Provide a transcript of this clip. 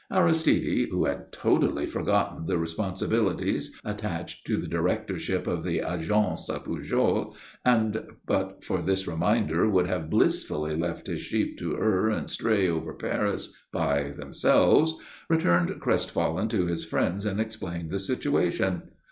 Aristide, who had totally forgotten the responsibilities attached to the directorship of the Agence Pujol and, but for this reminder, would have blissfully left his sheep to err and stray over Paris by themselves, returned crestfallen to his friends and explained the situation.